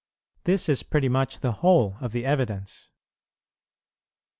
This is pretty much the whole of the evidence.